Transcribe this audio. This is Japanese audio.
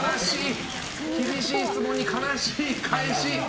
厳しい質問に悲しい返し！